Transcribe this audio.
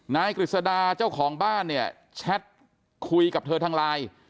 กฤษดาเจ้าของบ้านเนี่ยแชทคุยกับเธอทางไลน์